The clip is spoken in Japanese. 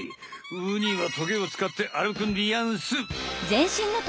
ウニはトゲをつかって歩くんでやんす。